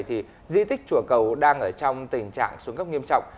thì di tích chùa cầu đang ở trong tình trạng xuống cấp nghiêm trọng